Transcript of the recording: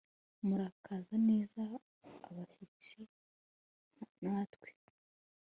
Murakaza neza abashyitsi natwe